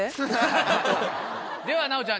では。